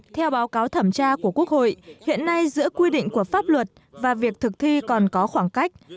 theo báo cáo thẩm tra của quốc hội hiện nay giữa quy định của pháp luật và việc thực thi còn có khoảng cách